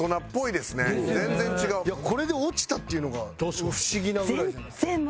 これで落ちたっていうのが不思議なぐらいじゃないですか？